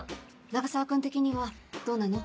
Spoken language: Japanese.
永沢君的にはどうなの？